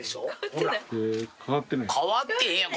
変わってへんやん。